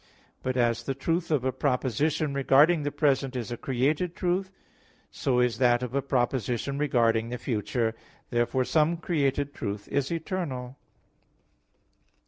But as the truth of a proposition regarding the present is a created truth, so is that of a proposition regarding the future. Therefore some created truth is eternal.